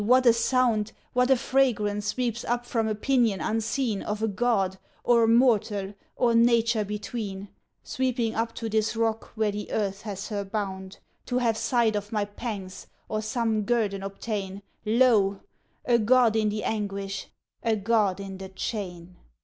what a sound, What a fragrance sweeps up from a pinion unseen Of a god, or a mortal, or nature between, Sweeping up to this rock where the earth has her bound, To have sight of my pangs, or some guerdon obtain Lo, a god in the anguish, a god in the chain!